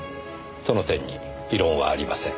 その点に異論はありません。